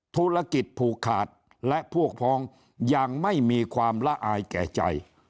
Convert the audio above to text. ธุรกิจผูกขาดและพวกพ้องยังไม่มีความละอายแก่ใจ